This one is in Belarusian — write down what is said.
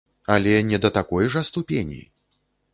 Але не да такой жа ступені!